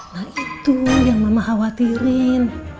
nah itu yang mama khawatirin